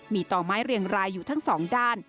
มีต่อไม้เรียงรายอยู่ทั้งสองด้าน